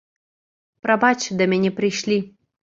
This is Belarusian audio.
Прабач, да мяне прыйшлі.